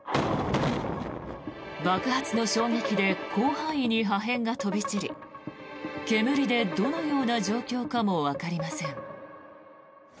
爆発の衝撃で広範囲に破片が飛び散り煙でどのような状況かもわかりません。